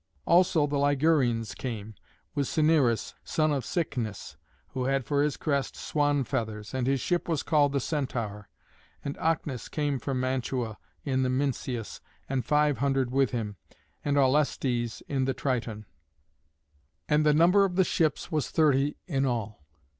Also the Ligurians came, with Cinyras, son of Cycnus, who had for his crest swan feathers; and his ship was called the Centaur. And Ocnus came from Mantua in the Mincius, and five hundred with him; and Aulestes in the Triton; and the number of the ships was thirty in all.